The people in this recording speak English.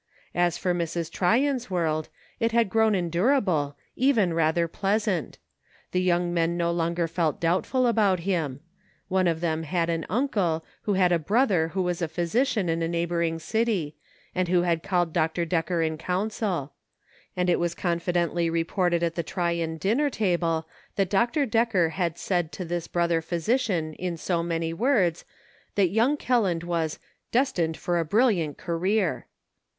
As for Mrs. Tryon's world, it had grown endurable, even rather pleasant. The young men no longer felt doubtful about him. One of them had an uncle, who had a brother who was a phy sician in a neighboring city, and who had called Dr. Decker in counsel ; and it was confidently re ported at the Tryon dinner table that Dr. Decker had said to this brother physician in so many words that young Kelland was "destined for a brilliant career."